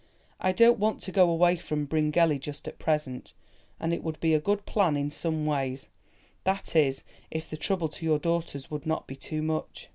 "I don't want to go away from Bryngelly just at present, and it would be a good plan in some ways, that is if the trouble to your daughters would not be too much."